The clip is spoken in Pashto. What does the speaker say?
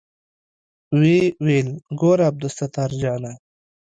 ويې ويل ګوره عبدالستار جانه.